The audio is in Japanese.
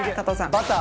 バター。